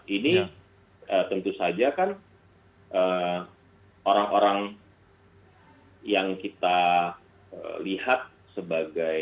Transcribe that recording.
ini tentu saja kan orang orang yang kita lihat sebagai